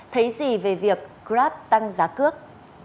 thấy gì về việc grab tăng giá cước